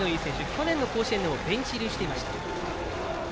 去年の甲子園でもベンチ入りしていました。